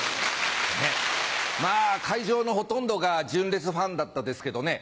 まぁ会場のほとんどが純烈ファンだったですけどね。